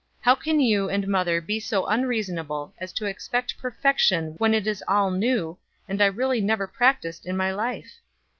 How can you and mother be so unreasonable as to expect perfection when it is all new, and I really never practiced in my life?"